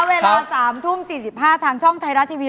เวลา๓ทุ่ม๔๕ทางช่องไทยรัฐทีวี